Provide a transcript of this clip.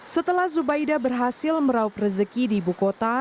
setelah zubaida berhasil meraup rezeki di ibu kota